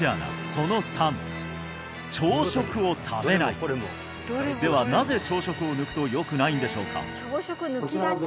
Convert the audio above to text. その３朝食を食べないではなぜ朝食を抜くとよくないんでしょうか？